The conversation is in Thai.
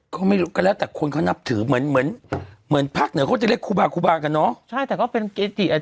ก็ไม่รู้กันแล้วแต่คนเขานับถือเหมือนเผาเหมือนภาคเหนือเขาจะเรียกครูบาปกกับครูบากันเนอะ